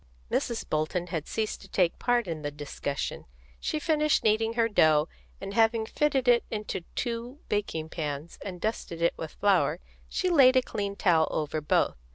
Mrs. Bolton had ceased to take part in the discussion. She finished kneading her dough, and having fitted it into two baking pans and dusted it with flour, she laid a clean towel over both.